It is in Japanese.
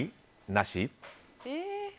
なし？